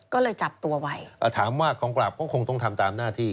ก็เลยจับตัวไว้อ่าถามว่ากองปราบก็คงต้องทำตามหน้าที่